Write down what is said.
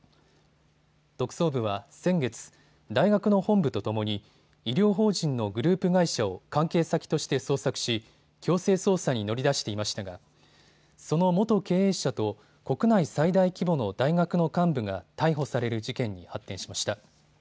特捜部は先月、大学の本部とともに医療法人のグループ会社を関係先として捜索し強制捜査に乗り出していましたがその元経営者と国内最大規模の大学の幹部が逮捕される事件に発展しました。